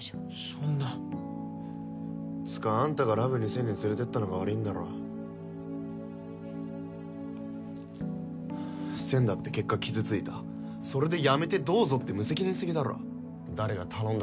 そんなつかあんたがラブ２０００に連れてったのが悪いんだろセンだって結果傷ついたそれでやめてどうぞって無責任すぎだろ誰が頼んだか知らねえけど